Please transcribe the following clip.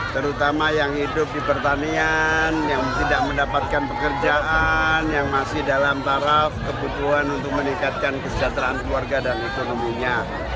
terutama yang hidup di pertanian yang tidak mendapatkan pekerjaan yang masih dalam taraf kebutuhan untuk meningkatkan kesejahteraan keluarga dan ekonominya